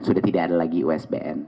sudah tidak ada lagi usbn